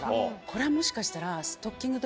これはもしかしたら。